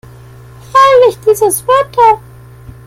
Herrlich, dieses Wetter!